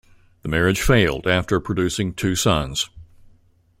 The marriage failed after producing two sons.